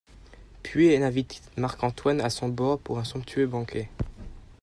Puis elle invite Marc Antoine à son bord pour un somptueux banquet.